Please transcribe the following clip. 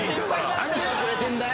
何してくれてんだよ！